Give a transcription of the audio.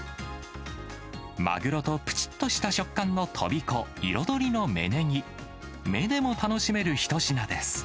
マグロとぷちっとした食感のトビコ、彩りの芽ネギ、目でも楽しめる一品です。